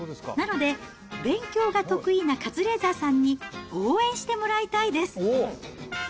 なので、勉強が得意なカズレーザーさんに、応援してもらいたいです。